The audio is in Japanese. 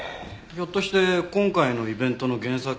ひょっとして今回のイベントの原作？